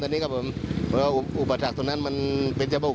ตอนนี้ครับผมเพราะว่าอุบัตรภัณฑ์ตรงนั้นมันเป็นเจ้าโปรกบุญ